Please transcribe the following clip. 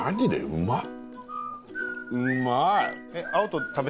うまい！